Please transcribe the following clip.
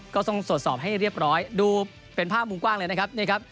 ก็ต้องตรวจสอบให้เรียบร้อยดูเป็นภาพมุมกว้างเลยนะครับ